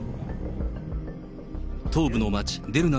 東部の街デルナ